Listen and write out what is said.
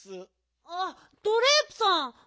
あっドレープさん。